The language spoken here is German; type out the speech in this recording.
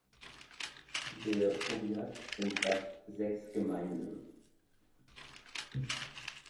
Der Powiat umfasst sechs Gemeinden.